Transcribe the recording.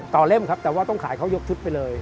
เล่มครับแต่ว่าต้องขายเขายกชุดไปเลย